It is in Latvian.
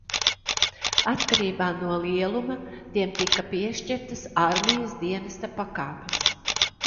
Atkarībā no lieluma, tiem tika piešķirtas armijas dienesta pakāpes.